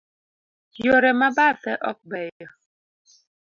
Yore ma bathe ok beyo.